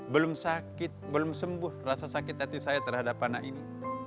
belum sakit belum sembuh rasa sakit hati saya terhadap anak ini